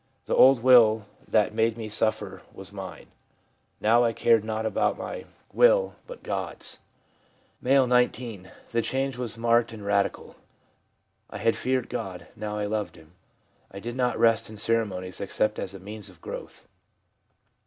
'The old will that made me suffer was mine ; now I cared not about my i 3 4 THE PSYCHOLOGY OF RELIGION will, but God's/ M., 19. c The change was marked and radical. I had feared God, now I loved Him. I did not rest in ceremonies, except as a means of growth.'